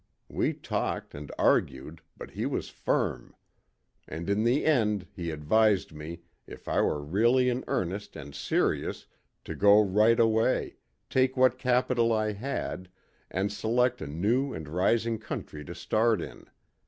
We talked and argued, but he was firm. And in the end he advised me, if I were really in earnest and serious, to go right away, take what capital I had, and select a new and rising country to start in.